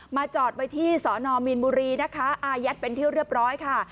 จอดไว้ที่สอนอมีนบุรีนะคะอายัดเป็นที่เรียบร้อยค่ะ